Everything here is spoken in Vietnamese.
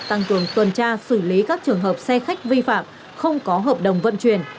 tăng cường tuần tra xử lý các trường hợp xe khách vi phạm không có hợp đồng vận chuyển